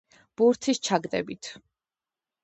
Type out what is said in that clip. ბურთის ჩაგდებით.